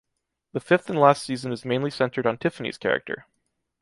The fifth and last season is mainly centered on Tiffany’s character.